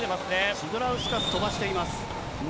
シドラウスカス、飛ばしています。